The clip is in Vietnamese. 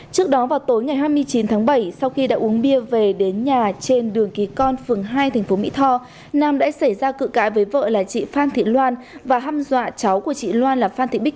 trước đó vào tối ngày hai mươi chín tháng bảy sau khi đã uống bia về đến nhà trên đường kỳ con phường hai tp mỹ tho nam đã xảy ra cự cãi với vợ là chị phan thị loan và hâm dọa cháu của chị loan là phan thị bích